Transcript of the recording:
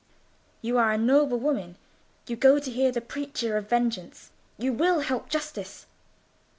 You are a noble woman. You go to hear the preacher of vengeance; you will help justice.